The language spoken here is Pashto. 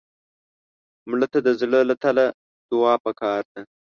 مړه ته د زړه له تله دعا پکار ده